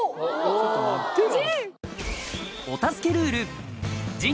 ちょっと待ってよ。